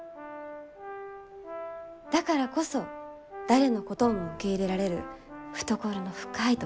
だからこそ誰のことも受け入れられる懐の深い土地です。